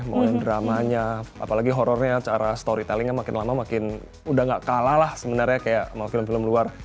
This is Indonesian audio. mau dramanya apalagi horrornya cara storytellingnya makin lama makin udah gak kalah lah sebenarnya kayak sama film film luar